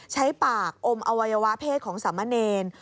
ใช้ปากอมอวัยวะเพศของสามะเนร